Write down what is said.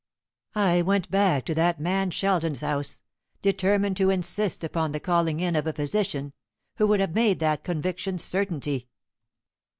I went back to that man Sheldon's house, determined to insist upon the calling in of a physician who would have made that conviction certainty.